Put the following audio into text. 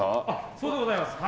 そうでございます。